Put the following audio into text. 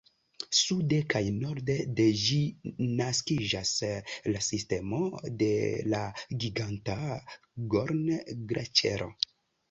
Sude kaj norde de ĝi naskiĝas la sistemo de la giganta Gorner-Glaĉero.